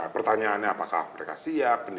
pertanyaannya apakah mereka siap